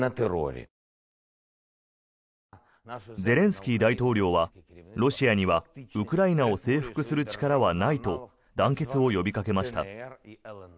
ゼレンスキー大統領はロシアにはウクライナを征服する力はないと団結を呼びかけました。